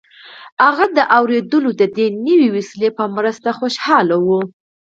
هغه د اورېدلو د دې نوې وسیلې په مرسته خوښ و